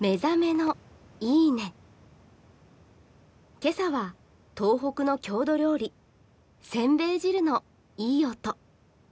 今朝は、東北の郷土料理・せんべい汁のいい音。